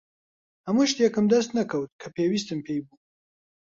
هەموو شتێکم دەست نەکەوت کە پێویستم پێی بوو.